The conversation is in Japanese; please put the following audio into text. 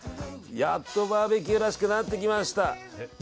やっとバーベキューらしくなってきました。